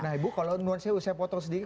nah ibu kalau nuansa saya potong sedikit